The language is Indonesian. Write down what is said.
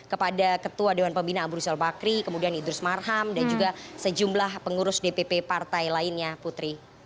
kepada ketua dewan pembina ambrus yolbakri kemudian idris marham dan juga sejumlah pengurus dpp partai lainnya putri